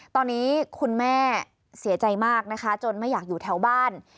ตอนนี้คุณแม่เสียใจมากนะคะจนไม่อยากอยู่แถวบ้าน